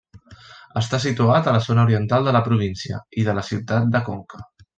Està situat a la zona oriental de la província i de la ciutat de Conca.